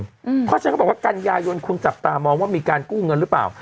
เพราะฉะนั้นเขาบอกว่ากันยายนคุณจับตามองว่ามีการกู้เงินหรือเปล่า